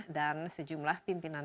dan sejumlah pimpinan